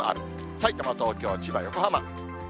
さいたま、東京、千葉、横浜。